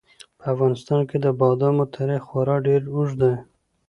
په افغانستان کې د بادامو تاریخ خورا ډېر اوږد دی.